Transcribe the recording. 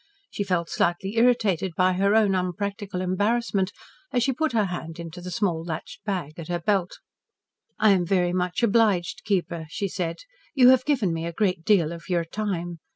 She felt slightly irritated by her own unpractical embarrassment as she put her hand into the small, latched bag at her belt. "I am very much obliged, keeper," she said. "You have given me a great deal of your time.